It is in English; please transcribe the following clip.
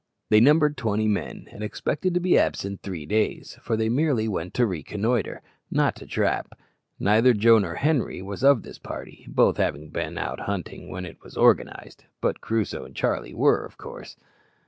They numbered twenty men, and expected to be absent three days, for they merely went to reconnoitre, not to trap. Neither Joe nor Henri was of this party, both having been out hunting when it was organized; but Crusoe and Charlie were, of course.